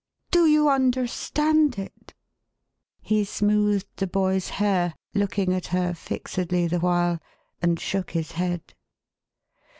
" Do you understand it ?" He smoothed the boy's hair — looking at her fixedly the while, and shook his head.